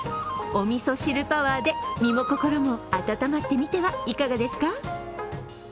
おみそ汁パワーで身も心も温まってみてはいかがですか。